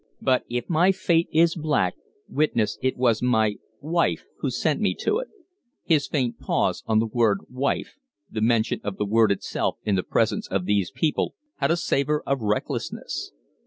"But if my fate is black, witness it was my wife who sent me to it." His faint pause on the word wife, the mention of the word itself in the presence of these people, had a savor of recklessness.